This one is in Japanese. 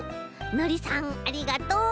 のりさんありがとう。